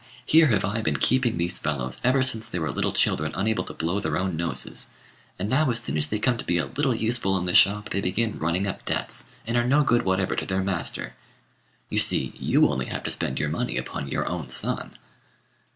Here have I been keeping these fellows ever since they were little children unable to blow their own noses, and now, as soon as they come to be a little useful in the shop, they begin running up debts, and are no good whatever to their master. You see, you only have to spend your money upon your own son."